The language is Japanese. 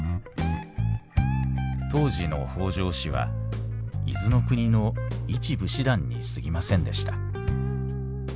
当時の北条氏は伊豆国の一武士団にすぎませんでした。